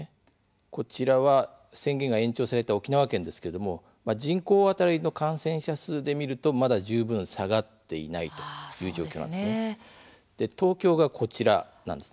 こちらは宣言が延長された沖縄県ですが人口当たりの感染者数で見るとまだ十分下がっていないという状況です。